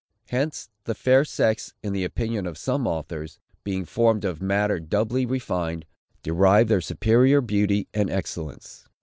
Hence the fair sex, in the opinion of some authors, being formed of matter doubly refined, derive their superior beauty and excellence.